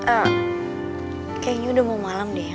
eh kayaknya udah mau malam deh